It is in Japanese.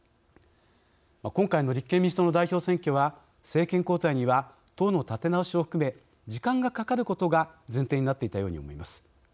今回の立憲民主党の代表選挙は政権交代には党の立て直しを含め時間がかかることが前提になっていたように思います。